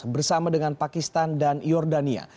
bersama dengan pakistan dan jordania